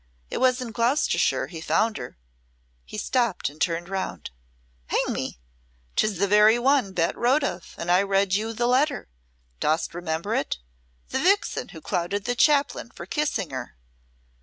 It was in Gloucestershire he found her " He stopped and turned round. "Hang me! 'Tis the very one Bet wrote of, and I read you the letter. Dost remember it? The vixen who clouted the Chaplain for kissing her."